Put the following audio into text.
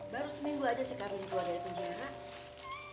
baru seminggu aja si karun itu ada di penjara